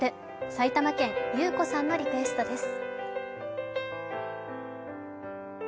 埼玉県、ゆうこさんのリクエストです。